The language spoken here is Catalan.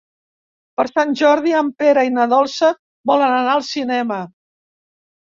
Per Sant Jordi en Pere i na Dolça volen anar al cinema.